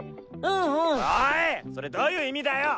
それどういう意味だよ！